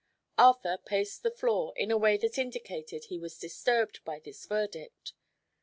Arthur paced the floor in a way that indicated he was disturbed by this verdict.